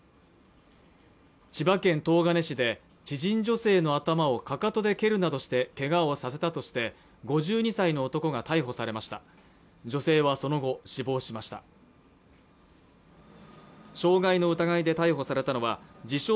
千葉県東金市で知人女性の頭をかかとで蹴るなどしてけがをさせたとして５２歳の男が逮捕されました女性はその後死亡しました傷害の疑いで逮捕されたのは自称